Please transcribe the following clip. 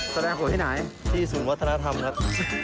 แสดงผลที่ไหนที่ศูนย์วัฒนธรรมครับ